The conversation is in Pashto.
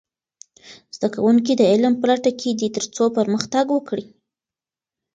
زده کوونکي د علم په لټه کې دي ترڅو پرمختګ وکړي.